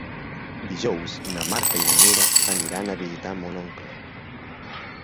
Dijous na Marta i na Nura aniran a visitar mon oncle.